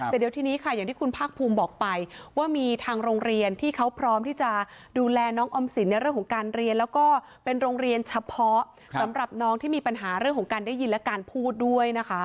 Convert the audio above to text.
แต่เดี๋ยวทีนี้ค่ะอย่างที่คุณภาคภูมิบอกไปว่ามีทางโรงเรียนที่เขาพร้อมที่จะดูแลน้องออมสินในเรื่องของการเรียนแล้วก็เป็นโรงเรียนเฉพาะสำหรับน้องที่มีปัญหาเรื่องของการได้ยินและการพูดด้วยนะคะ